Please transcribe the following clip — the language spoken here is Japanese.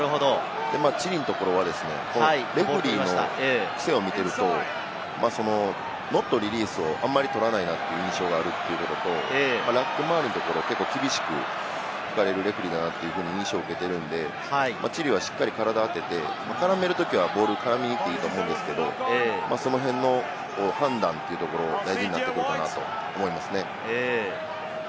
チリのところはレフェリーの癖を見ていると、ノットリリースをあんまり取らないなという印象があるということと、ラック周りのところ、結構厳しくいかれるレフェリーだなという印象を受けているので、チリはしっかり体を当てて絡んでるときは絡んでるんですけれども、その辺の判断というところが大事になってくるかなと思います。